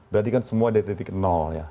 berarti kan semua dari titik nol ya